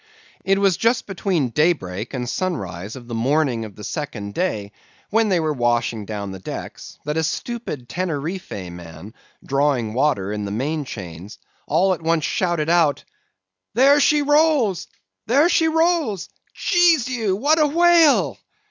"It was just between daybreak and sunrise of the morning of the second day, when they were washing down the decks, that a stupid Teneriffe man, drawing water in the main chains, all at once shouted out, 'There she rolls! there she rolls!' Jesu, what a whale!